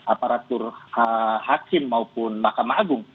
aparatur hakim maupun mahkamah agung